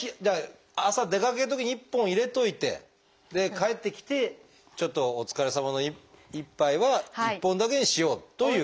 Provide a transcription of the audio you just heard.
朝出かけるときに１本入れといてで帰ってきてちょっとお疲れさまの１杯は１本だけにしようという。